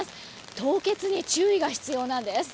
凍結に注意が必要なんです。